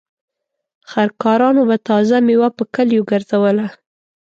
خر کارانو به تازه مېوه په کليو ګرځوله.